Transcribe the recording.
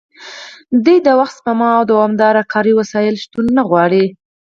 دوی د وخت سپما او دوامداره کاري وسایلو شتون نه غواړي